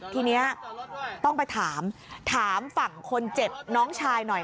ทีนี้ต้องไปถามถามฝั่งคนเจ็บน้องชายหน่อย